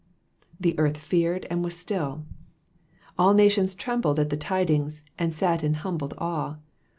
2%« earth feared^ and was stiU.^^ All nations trembled at the tidings, and sat in humbled awe.